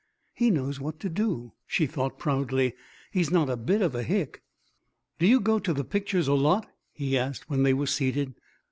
"He knows what to do," she thought proudly. "He's not a bit of a hick." "D'you go to the pictures a lot?" he asked when they were seated.